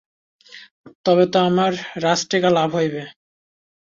তবে তো তোমার রাজটিকা লাভ হইবে।